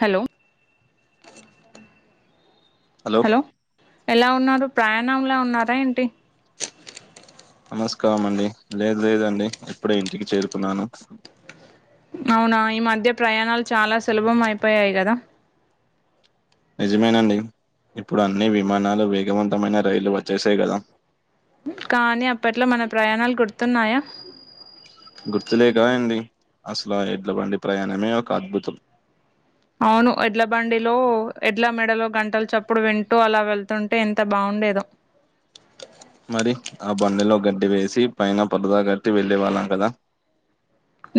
Hello hello ఎలా వు న్నారు ప్రయాణంలా ఉన్నారా ఏంటి నమస్కారం అండి లేదు లేదండి ఇప్పుడే ఇంటికి చేరుకున్నాను అవునా ఈ మధ్య ప్రయాణాలు చాలా సులభం అయిపోయాయి కదా నిజమేనండి ఇప్పుడు అన్ని విమానాలు వేగవంతమైన రైళ్లు వచ్చేసాయి కదా కానీ అప్పట్లో మన ప్రయాణాలు గుర్తున్నాయా గుర్తులే కదండీ అసలు ఆ ఎడ్ల బండి ప్రయాణమే ఒక అద్భుతం అవును ఎడ్ల బండిలో ఎడ్ ఇలా మెడలో గంటలు చప్పుడు వింటూ అలా వెళ్తుంటే ఎంత బాగుండేదో మరి ఆ బండిలో గడ్డి వేసి పైన పరదా కట్టి వెళ్ళే వాళ్ళం కదా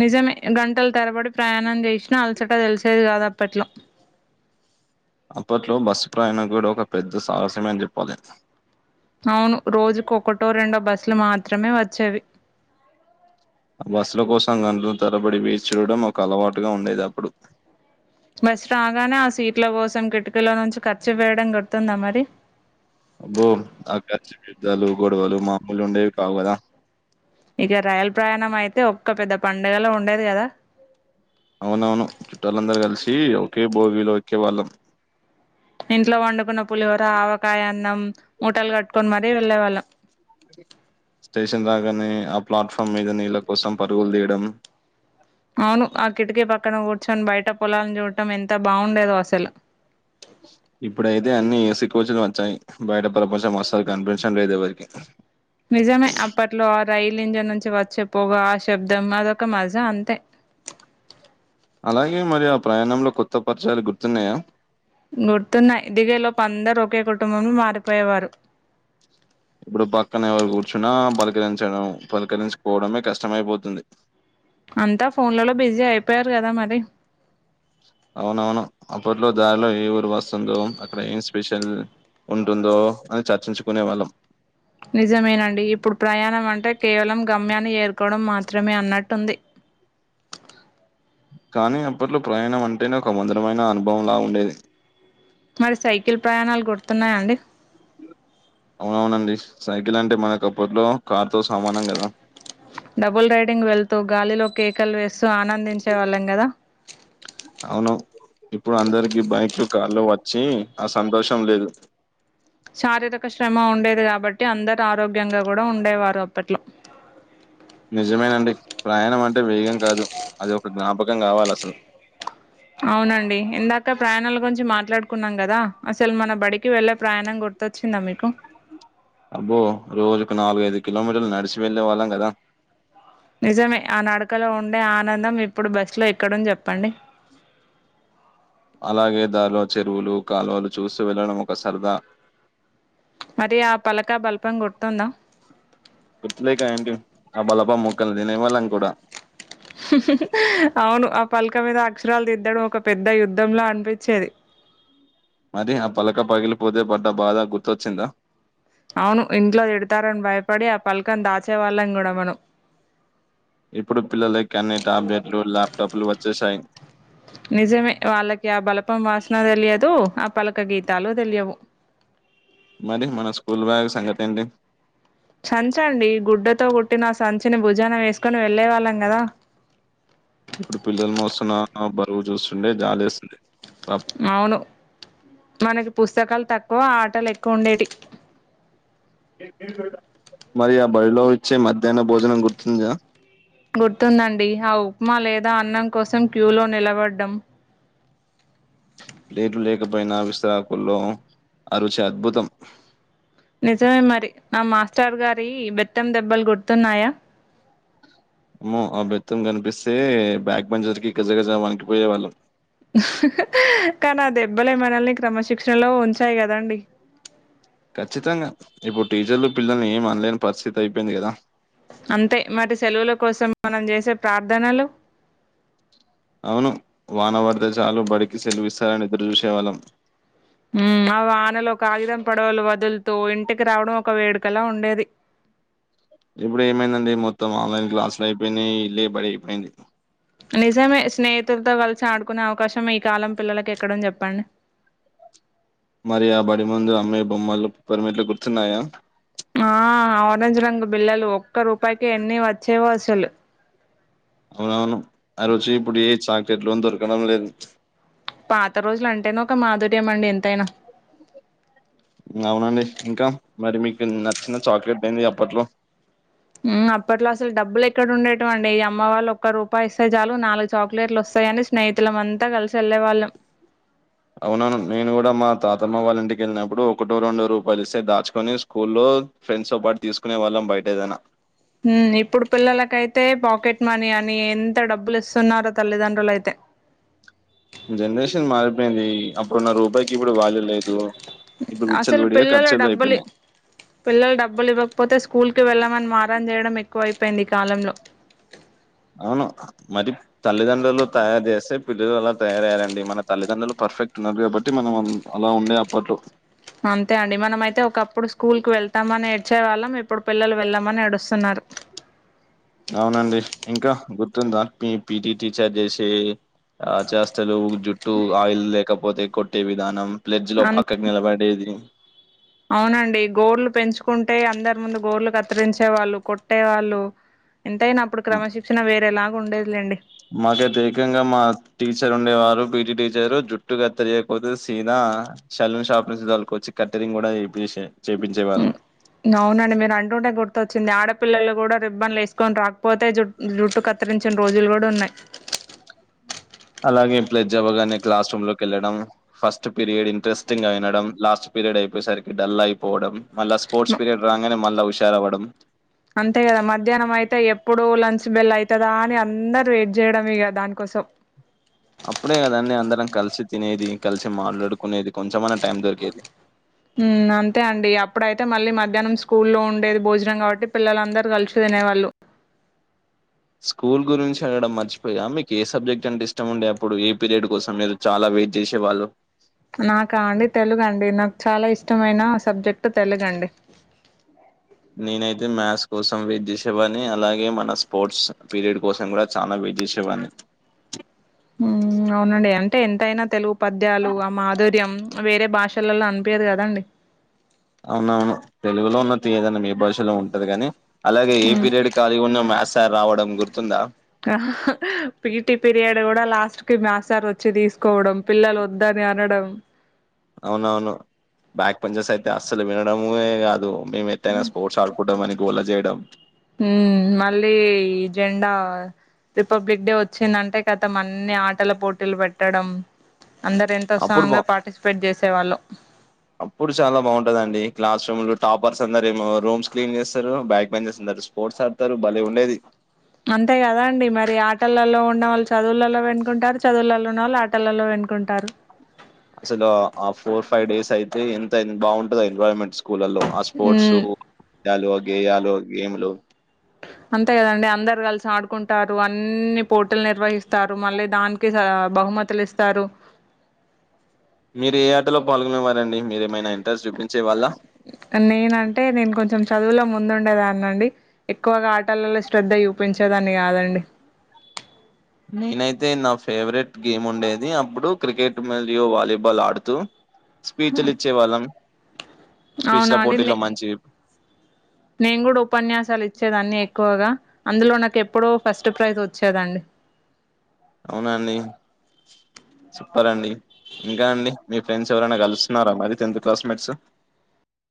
నిజమే గంటలు తెరబడి ప్రయాణం చేసినా అలసట తెలిసేది కాదు అప్పట్లో అప్పట్లో బస్సు ప్రయాణం కూడా ఒక పెద్ద సాహసమే అని చెప్పాలి అవును రోజుకు ఒకటో రెండో బస్సులు మాత్రమే వచ్చేవి ఆ బస్సుల కోసం గంటలు తరబడి వేచి చూడడం ఒక అలవాటుగా ఉండేది అప్పుడు బస్ రాగానే ఆ సీట్ల కోసం కిటికీలో నుంచి కర్చిప్ వేయడం గుర్తుందా మరి అబ్బో ఆకా పెద్దాలు గొడవలు మామూలు ఉండేవి కావు కదా ఇక రయల్ ప్రయాణం అయితే ఒక్క పెద్ద పండగల ఉండేది కదా అవునవును చుట్టాలందరు కలిసి ఒకే భోగిలో వచ్చేవాళ్ళం ఇంట్లో వండుకున్న పులిహోర ఆవకాయ అన్నం ముటలు కట్టుకొని మరీ వెళ్ళేవాళ్ళం స్టేషన్ రాగానే ఆ ప్లాట్ఫామ్ మీద నీళ్ళ కోసం పరుగులు తీయడం అవును ఆ కిటికీ పక్కన కూర్చొని బయట పొలాలను చూడటం ఎంత బావుండేదో అసలు ఇప్పుడైతే అన్ని ఏసీ కోచలు వచ్చాయి బయట ప్రపంచం అసలు కనిపించడం లేదు ఎవరికి నిజమే అప్పట్లో ఆ రైల్ ఇంజిన్ నుంచి వచ్చే పోగా ఆ శబ్దం అదొక మజ అంతే అలాగే మరి ఆ ప్రయాణంలో కొత్త పరిచయాలు గుర్తున్నాయా గుర్తున్నాయి దిగే లోపు అందరు ఒకే కుటుంబంలో మారిపోయేవారు ఇప్పుడు పక్కన ఎవరు కూర్చున్నా పలకరించడం పలకరించుకోవడమే కష్టమైపోతుంది అంతా ఫోన్లలో బిజీ అయిపోయారు కదా మరి అవునవును అప్పట్లో దారిలో ఏ ఊరు వస్తుందో అక్కడ ఏం స్పెషల్ ఉంటుందో అని చర్చించుకునే వాళ్ళం నిజమేనండి ఇప్పుడు ప్రయాణం అంటే కేవలం గమ్యాన్ని చేరుకోవడం మాత్రమే అన్నట్టుంది కానీ అప్పట్లో ప్రయాణం అంటేనే ఒక మధరమైన అనుభవంలా ఉండేది మరి సైకిల్ ప్రయాణాలు గుర్తున్నాయా అండి అవునవునండి సైకిల్ అంటే మనకు అప్పట్లో కార్ తో సమానం కదా డబుల్ రైడింగ్ వెళ్తూ గాలిలో కేకలు వేస్తూ ఆనందించే వాళ్ళం కదా అవును ఇప్పుడు అందరికి బైక్లు కార్లో వచ్చి ఆ సంతోషం లేదు శారీరక శ్రమ ఉండేది కాబట్టి అందరు ఆరోగ్యంగా కూడా ఉండేవారు అప్పట్లో నిజమేనండి ప్రయాణం అంటే వేగం కాదు అది ఒక జ్ఞాపకం కావాలి అసలు అవునండి ఇందాక ప్రయాణాల గురించి మాట్లాడుకున్నాం కదా అసలు మన బడికి వెళ్ళే ప్రయాణం గుర్తొచ్చిందా మీకు అబ్బో రోజుకు నాలుగు ఐదు కిలోమీటర్లు నడిచి వెళ్ళే వాళ్ళం కదా నిజమే ఆ నడకలో ఉండే ఆనందం ఇప్పుడు బస్లో ఎక్కడ చెప్పండి అలాగే దారిలో చెరువులు కాలువలు చూసి వెళ్ళడం ఒక సరదా మరి ఆ పలక బలపం గుర్తుందా గుర్తులేక ఏంటి ఆ బలపం ముక్కలు తినే వాళ్ళం కూడా ఆవును ఆ ప ఇ మీద అక్షరాలు దిద్దడం ఒక పెద్ద యుద్ధంలా అనిపించేది మరి ఆ పలక పగిలిపోతే పడ్డ బాధ గుర్తొచ్చిందా అవును ఇంట్లో తిడతారని భయపడి ఆ పలకను దాచే వాళ్ళం కూడా మనం ఇప్పుడు పిల్లల కనీ టాబ్లెట్లు ల్యాప్టాప్లు వచ్చేసాయి అప్పం వాసన తెలియదు ఆ పలక గీతాలు తెలియవు మరి మన స్కూల్ బ్యాగ్ సంగతి ఏంటి సంచండి గుడ్డతో కుట్టిన సంచిని భుజానం వేసుకొని వెళ్ళే వాళ్ళం కదా ఇప్పుడు పిల్లలు మోసన్న బరువు చూస్తుండే జాలి వేస్తుంది అవును మనకి పుస్తకాలు తక్ ఆటలు ఎక్కువ ఉండేటి మరి ఆ బడిలో ఇచ్చే మధ్యాహ్న భోజనం గుర్తుందా గుర్తుందండి ఆ ఉప్మా లేదా అన్నం కోసం క్యూ లో నిలబడ్డం ప్లేట్ లేకపోయినా విస్తరాకుల్లో ఆ రుచి అద్భుతం నిజమే మరి ఆ మాస్టర్ గారి బెత్తం దెబ్బలు గుర్తున్నాయా ఏమో ఆ బెత్తం కనిపిస్తే బ్యాక్ బెంచెర్ కి గజగజ వణికి పోయేవాళ్ళం కానీ దెబ్బలే మనల్ని క్రమశిక్షణలో ఉంచాయి కదాండి ఖచ్చితంగా ఇప్పుడు టీచర్లు పిల్లల్ని ఏమి అనలేని పరిస్థితి అయిపోయింది కదా అంతే మరి సెలవుల కోసం మనం చేసే ప్రార్థనలు సెలువు ఇస్తారని ఎదురు చూసే వాళ్ళం హు ఆ వానలో కాగిదం పడవలు వదులుత ఇంటికి రావడం ఒక వేడుకలా ఉండేది ఇప్పుడు ఏమైందండి మొత్తం ఆన్లైన్ క్లాసులు అయిపోయినాయి ఇల్లు బడి అయిపోయింది నిజామే స్నేహి స్నేహితులతో కలిసి ఆడుకునే అవకాశం ఇ కాలం పిల్లలలకు ఎక్కడ ఉంది చెప్పండి మరి ఆ బడి ముందు అమ్మే బొమ్మలు పిప్పర్మెంట్లు గుర్తున్నాయా ఆ ఆరెంజ్ రంగ బిల్లలు ఒక్క రూపాయికి ఎన్ని వచ్చేవో అసలు అవునవును ఆ రుచి ఇప్పుడు ఏ చాక్లెట్లు దొరకడం లేదు పాత రోజులు అంటేనే ఒక మాధుర్యం అండి ఎంతైనా అవునండి ఇంకా మరి మీకు నచ్చిన చాక్లెట్ ఏంది అప్పట్లో అప్పట్లో అసలు డబ్బులు ఎక్కడ ఉండేటం అండి ఈ అమ్మ వాళ్ళు ఒక్క రూపాయి ఇస్తేయి చాలు నాలుగు చాక్లెట్లు వస్తాయని స్నేహితుల అంతా కలిసి వెళ్ళే వాళ్ళం అవునను నేను కూడా మా తాతమ్మ వాళ్ళంటికి వెళ్ళినప్పుడు ఒకటో రెండో రూపాయలు ఇస్తే దాచుకొని స్కూల్లో ఫ్రెండ్స్ తో పాటు తీసుకునే వాళ్ళం బయట ఏదైనా ఇప్పుడు పిల్లలకైతే పాకెట్ మనీ అని ఎంత డబ్బులు ఇస్తున్నారో తల్లిదండ్రులు అయితే జనరేషన్ మారిపోయింది అప్పుడున్న రూపాయికి ఇప్పుడు వాల్య లేదు ఇప్పుడు అసలు విచ్చలవిడిగా పిల్లల ఖర్చులు డబ్బుల అయిపోయినాయి పిల్లలు డబ్బులు ఇవ్వకపోతే స్కూల్ పో కి వెళ్ళమని మారం చేయడం ఎక్కువ అయిపోయింది ఈ కాలంలో అవును మరి తల్లిదండ్రులు తయారు చేస్తే పిల్లలు అలా తయారుయ్యారండి మన తల్లిదండ్రులు పర్ఫెక్ట్ ఉన్నరు కాబట్టి మనం అలా ఉండే అప్పట్లో అంతే అండి మనమ అయితే ఒకప్పుడు స్కూల్ కి వెళ్తామని ఏడ్చే వాళ్ళం ఇప్పుడు పిల్లలు వెళ్ళామని ఏడుస్తున్నారు అవునండి ఇంకా గుర్తుందా పి పీటి టీచర్ చేసే ఆ చేష్టలుజుట్టు ఆయిల్ లేకపోతే కొట్టే విధానం ప్లెడ్జ్ లో అ పక్కకు నిలబడేది అవునండి గోళ్లు పెంచుకుంటే అందరు ఇముందు గోళ్లు కత్తిరించే వాళ్ళు కొట్టే వాళ్ళు ఎంతయినా అప్పుడు మ్, క్రమశిక్షణ వేరేలాగ ఉండేది లెండి మాకైతే ఏకంగా మా టీచర్ ఉండేవారు పిటి టీచర్ జుట్టు కత్తిరియ్యకపోతే సిదా ఆ సెలాన్ షాప్ నుంచి తోలుకొచ్చి కత్తిరింగ్ కూడా చేపిచ్చే హు అవునండి మీరు అంటే గుర్తు వచ్చింది ఆడపిల్లలు కూడా రిబ్బన్లు వేసుకొని రాకపోతే జు జుట్టు కత్తిరించిన రోజులు కూడా ఉన్నాయి అలాగే ఇంప్లైది జవగానే క్లాస్ రూమ్ లోకి వెళ్లడం ఫస్ట్ పీరియడ్ ఇంట్రెస్టింగ్ గా వినడం లాస్ట్ పీరియడ్ అయిపోయేసరికి డల్ అయిపోవడం మల్ల స్పోర్ట్స్ పీరియడ్ రాగానే మల్ల ఊ హుషారవ్వడం అంతే కదా మధ్యాహ్నం అయితే ఎప్పుడు లంచ్ బెల్ అయితదా అని అందరు వెయిట్ చేయడం ఇగ దానికోసం అప్పుడే కదండి అందరం కలిసి తినేది కలిసి మాట్లాడుకునేది కొంచమన్నా టైం దొరికేది హు అంతే అండి అప్పుడయితే మళ్ళీ మధ్యాహ్నం స్కూల్ల్లో ఉండేది భోజనం కాబట్టి పిల్లలందరు కలిసి తినేవాళ్లు స్కూల్ గురించి అడగడం మర్చిపోయా మీకు ఏ సబ్జెక్ట్ అంటే ఇష్టం ఉండే అప్పుడు ఏ పీరియడ్ కోసం మీరు చాలా వెయిట్ చేసేవాళ్ళు నాకా అండి తెలుగు అండి నాకు చాలా ఇష్టమైన సబ్జెక్ట్ తెలుగు అండి నేనైతే మ్యాథ్స్ కోసం వేట్ చేసేవన్ని అలాగే మన స్పోర్ట్స్ పీరియడ్ కోసం కూడా చానా వేట్ చేసేవన్ని అవునండి అంటే ఎంతైనా తెలుగు పద్యాలు ఆ మాధుర్యం వేరే భాషలలో అనిపియ్యదు కదా అండి అవునవును తెలుగులో ఉన్న తీయదనం ఎ భాషలో ఇలా ఉంటది గాని, అలాగే ఏ ఉమ్ పీరియడ్ కాలిగా ఉన్న మ్యాథ్స్ సార్ రావడం గుర్తుందా! పీటి పీరియడ్ కూడా లాస్ట్ కి మ్యాథ్స్ సార్ వచ్చి తీసుకోవడం, పిల్లలు వద్దని అనడం. అవునవును బ్యాక్ బెంచర్స్ అయితే అస్సలు వినడముయే కాదు. మేము ఎట్టైనా స్పోర్ట్స్ ఆడుకుంటామని. గోల చెయడం. హ్మ్ మళ్ళీ జెండా రిపబ్లిక్ డే వచ్చిందంటే కతం, అన్ని ఆటల పోటిలు పెట్టడం. అందరు ఎంతో అప్పుడు ఉత్సహంగా పార్టిస్పేట్ చేస్ సేవాళ్ళు అప్పుడు చాలా బాగుంటది అండి. క్లాస్ రూమ్ లో టాపర్స్ అందరేమో రూమ్స్ క్లీన్ చేస్తరు. బ్యాక్ బెంచర్స్ అందరు స్పోర్ట్స్ ఆడుతరు భలే ఉండేది. అంతే కదా అండి మరి ఆటలలో ఉన్న వాళ్ళు చదువులలో వెనుకుంటారు. చదువులలో ఉన్న వాళ్ళు ఆటలలో వెనుకుంటారు. అసలు ఆ ఫోర్, ఫైవ్ డేస్ అయితే ఎంత బాగుంటది ఎన్వైమెంట్స్ స్కూలల్లో ఆ స్పోర్ట్సు హ్మ్ టాలో గేయాల్ లో గేమ్లు అంతే కదండి అందరు కలిసి ఆడుకుంటారు. అన్ని పోటిల్ నిర్వహిస్తారు. మళ్ళీ దానికి సర బహుమతులు ఇస్తారు. మీరు ఏ ఆటలో పాల్గొనేవారండి మీరేమైనా ఇంట్రెస్ట్ చూపిం నేనంటే నేను కొంచెం చదువులో ము ముందుండేదాన్నండి. ఎక్కువగా ఆటలలో శ్రద్ధ చూపించేదాన్ని కాదండి. నేనైతే నా ఫేవరెట్ గేమ్ ఉండేది, అప్పుడు క్రికెట్ మలియు వాలీబాల్ ఆడుతూ స్పీచ్ లు ఇచ్చే వాళ్ళం అవునా స్పీచ్ల అండి, పోటీలో మంచి నేను కూడా ఉపన్యాసాలు ఇచ్చేది అన్ని ఎక్కువగా అందులో నాకు ఎప్పుడూ ఫస్ట్ ప్రైజ్ వచ్చేదండి. అవున అండి. చెప్పాలండి, ఇంకా అండి మీ ఫ్రెండ్స్ ఎవరైనా కలుస్తున్నారా మరి టెన్త్ క్లాస్మేట్స్?